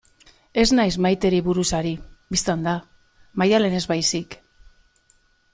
Ez naiz Maiteri buruz ari, bistan da, Maialenez baizik.